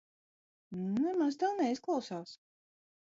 Nemaz tā neizklausās.